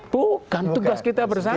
bukan tugas kita bersama